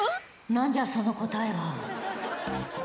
何じゃその答えは？